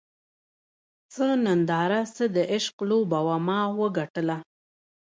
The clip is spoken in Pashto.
څه ننداره څه د عشق لوبه وه ما وګټله